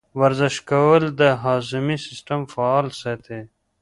ورزش کول د هاضمې سیستم فعال ساتي.